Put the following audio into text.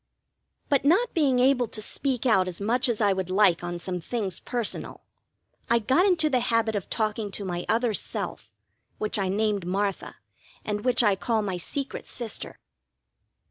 But not being able to speak out as much as I would like on some things personal, I got into the habit of talking to my other self, which I named Martha, and which I call my secret sister.